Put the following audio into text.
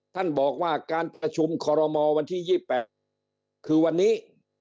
ท่านบอกว่าการประชุมคอรมอลวันที่๒๘คือวันนี้